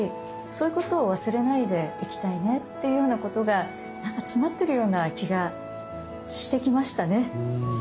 そういうことを忘れないでいきたいねっていうようなことがなんか詰まってるような気がしてきましたね。